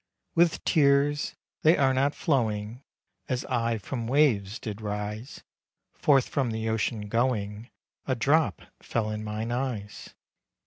"With tears they are not flowing. As I from waves did rise, Forth from the ocean going, A drop fell in mine eyes."